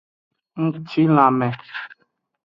Ngcilanme.